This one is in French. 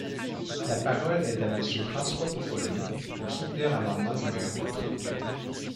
La parole est à Monsieur François Pupponi, pour soutenir l’amendement numéro trente-huit.